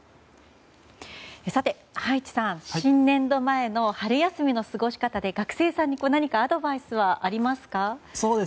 さて、葉一さん新年度前の春休みの過ごし方で学生さんに何かアドバイスはありますか？